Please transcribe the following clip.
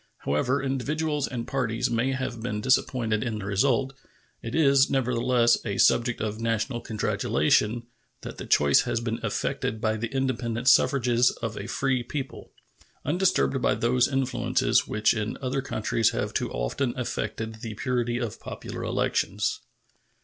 However individuals and parties may have been disappointed in the result, it is, nevertheless, a subject of national congratulation that the choice has been effected by the independent suffrages of a free people, undisturbed by those influences which in other countries have too often affected the purity of popular elections.